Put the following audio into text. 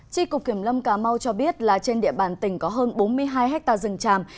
tri cục kiểm lâm cà mau cho biết là trên địa bàn tỉnh có hơn bốn mươi hai hectare rừng tràm